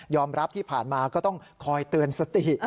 รับที่ผ่านมาก็ต้องคอยเตือนสติ